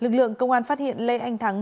lực lượng công an phát hiện lê anh thắng